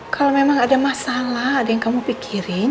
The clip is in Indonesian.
kalau memang ada masalah ada yang kamu pikirin